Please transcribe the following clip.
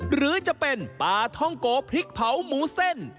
หรือจะเป็นปลาท่องโกพริกเผาหมูเส้น